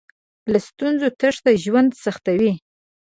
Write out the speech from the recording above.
له ستونزو تېښته ژوند سختوي.